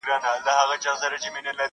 اوس به چيري د زلميو څڼي غورځي!!